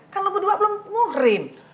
kan lo berdua belum muhrim